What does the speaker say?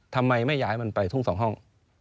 ทำไมไม่ย้ายมันไปทุ่งสองห้อง